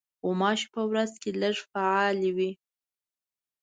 غوماشې په ورځ کې لږ فعالې وي.